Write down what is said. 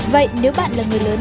vậy nếu bạn là người lớn